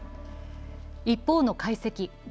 一方の解析。